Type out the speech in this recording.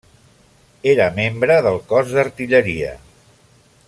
Era membre del cos d'artilleria.